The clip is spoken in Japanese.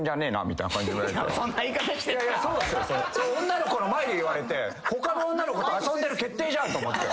女の子の前で言われて他の女の子と遊んでる決定じゃんと思って。